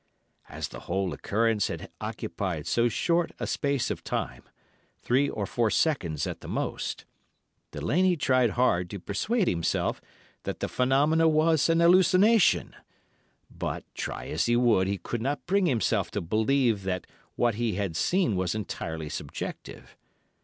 "As the whole occurrence had occupied so short a space of time—three or four seconds at the most—Delaney tried hard to persuade himself that the phenomena was an hallucination, but, try as he would, he could not bring himself to believe that what he had seen was entirely subjective.